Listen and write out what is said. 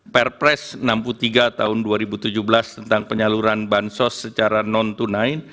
perpres enam puluh tiga tahun dua ribu tujuh belas tentang penyaluran bansos secara non tunai